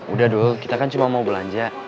udah dong kita kan cuma mau belanja